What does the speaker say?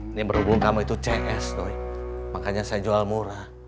ini berhubung kamu itu cs makanya saya jual murah